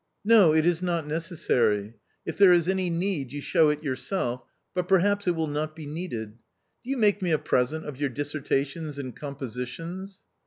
" No, it is not necessary : if there is any need, you show it yourself, but perhaps it will not be needed. Do you make I me a present of your dissertations and compositions